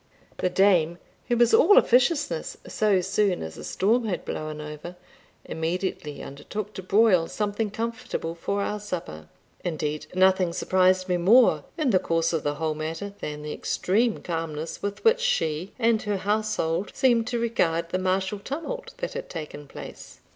The dame, who was all officiousness so soon as the storm had blown over, immediately undertook to broil something comfortable for our supper. Indeed, nothing surprised me more, in the course of the whole matter, than the extreme calmness with which she and her household seemed to regard the martial tumult that had taken place.